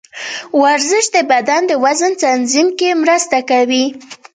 ورزش د بدن د وزن تنظیم کې مرسته کوي.